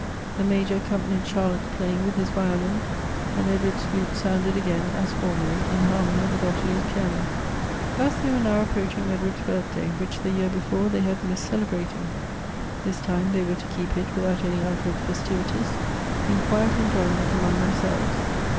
The Mnjor accompanied Char lotte's ])laying with his violin, and Edward's flute sounded again, as formerly, in harmony with Ottilie's piano. Tlius they were now approaching Edward's birthday, which the year before they had missed celebrating. This time they were to keep it without any outward festivities, in quiet enjoyment among themselves.